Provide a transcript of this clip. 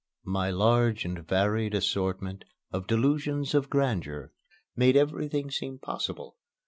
My large and varied assortment of delusions of grandeur made everything seem possible.